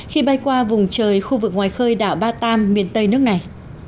khi bay qua vùng trời khu vực ngoài khơi đảo batam miền tây nước này